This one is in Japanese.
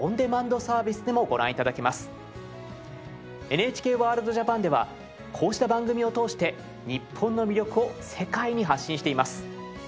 ＮＨＫワールドＪＡＰＡＮではこうした番組を通して日本の魅力を世界に発信しています。